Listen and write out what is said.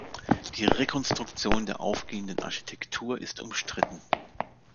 Die Rekonstruktion der aufgehenden Architektur ist umstritten.